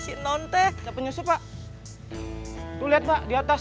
sih nontek penyusup pak tuh lihat pak di atas